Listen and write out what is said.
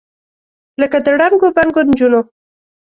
لکه د ړنګو بنګو نجونو،